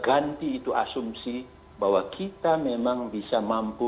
ganti itu asumsi bahwa kita memang bisa mampu